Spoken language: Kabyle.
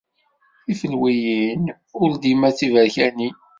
Tifelwiyin ur dima d tiberkanin.